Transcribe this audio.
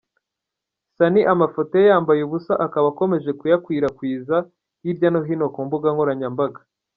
Sunny amafoto ye yambaye ubusa akaba akomeje kuyakwirakwiza hirya no hino ku mbuga nkoranyambaga.